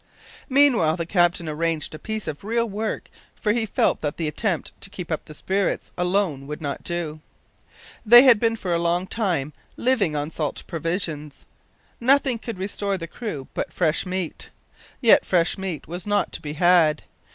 Meanwhile the captain arranged a piece of real work, for he felt that the attempt to keep up the spirits alone would not do. They had been for a long time living on salt provisions. Nothing could restore the crew but fresh meat yet fresh meat was not to be had.